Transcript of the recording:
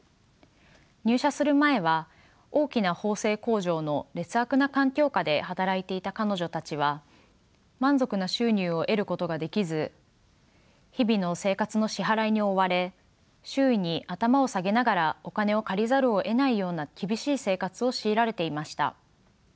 入社する前は大きな縫製工場の劣悪な環境下で働いていた彼女たちは満足な収入を得ることができず日々の生活の支払いに追われ周囲に頭を下げながらお金を借りざるをえないような厳しい生活を強いられていました。